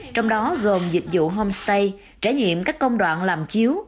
trong đó gồm dịch vụ homestay trải nghiệm các công đoạn làm chiếu